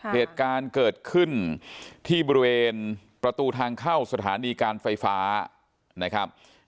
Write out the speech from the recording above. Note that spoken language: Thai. เหตุการณ์เกิดขึ้นที่บริเวณประตูทางเข้าสถานีการไฟฟ้านะครับ